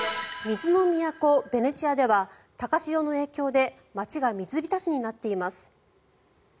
水の都、ベネチアでは高潮の影響で街が水浸しになっています。